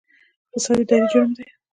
فساد اداري جرم دی